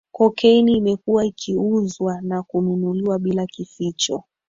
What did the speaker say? Cocaine imekuwa ikiuzwa na kununuliwa bila kificho